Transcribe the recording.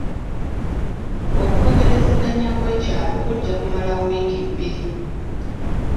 Okwogerezeganya kw'ekyalo kujja kumala wiiki bbiri.